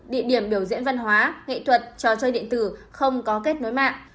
địa điểm biểu diễn văn hóa nghệ thuật trò chơi điện tử không có kết nối mạng